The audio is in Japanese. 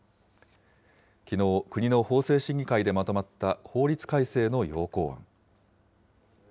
きのう、国の法制審議会でまとまった法律改正の要綱案。